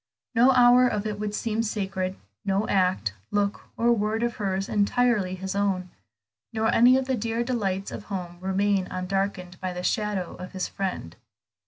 No hour of it would seem sacred, no act, look, or word of hers entirely his own, nor any of the dear delights of home remain undarkened by the shadow of his friend.